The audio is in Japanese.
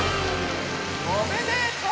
おめでとう！